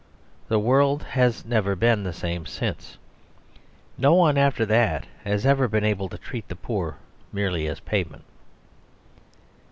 The world has never been the same since. No one after that has ever been able to treat the poor merely as a pavement.